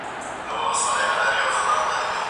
زه پرون شګه پاکوم!؟